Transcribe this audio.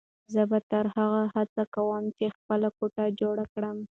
زه به تر هغو هڅه کوم چې خپله کوټه جوړه کړم.